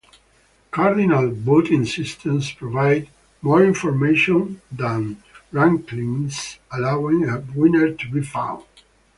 Cardinal voting systems provide more information than rankings, allowing a winner to be found.